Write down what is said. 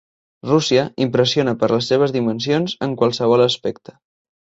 Rússia impressiona per les seves dimensions en qualsevol aspecte.